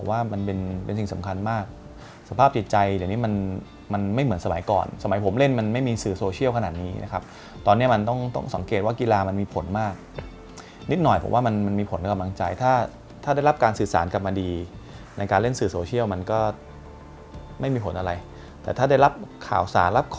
ว่ามันเป็นเป็นสิ่งสำคัญมากสภาพจิตใจเดี๋ยวนี้มันมันไม่เหมือนสมัยก่อนสมัยผมเล่นมันไม่มีสื่อโซเชียลขนาดนี้นะครับตอนนี้มันต้องต้องสังเกตว่ากีฬามันมีผลมากนิดหน่อยผมว่ามันมันมีผลในกำลังใจถ้าถ้าได้รับการสื่อสารกลับมาดีในการเล่นสื่อโซเชียลมันก็ไม่มีผลอะไรแต่ถ้าได้รับข่าวสารรับค